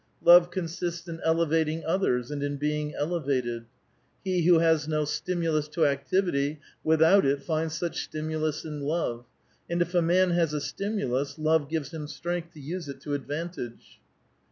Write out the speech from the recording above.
'* Love consists in elevating others, and in being elevated." " He who has no stimulus to activity without it finds such stimulus in love ; and if a man has a stimulus, love gives him strength to use it to advantage."